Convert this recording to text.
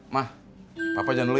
ma bapak jalan dulu ya